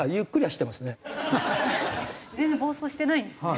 全然暴走してないんですね。